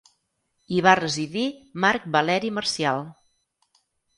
Hi va residir Marc Valeri Marcial.